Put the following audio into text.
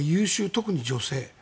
特に女性。